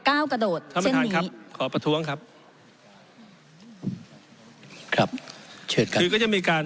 เก้ากระโดดเช่นนี้ขอประท้วงครับครับเชิญกันคือก็จะมีการ